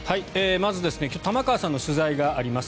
まず、今日は玉川さんの取材があります。